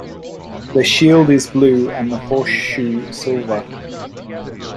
The shield is blue and the horseshoe silver.